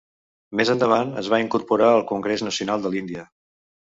Més endavant es va incorporar al Congrés Nacional de l'Índia.